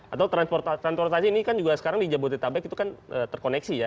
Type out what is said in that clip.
atau transportasi ini kan juga sekarang di jabodetabek itu kan terkoneksi ya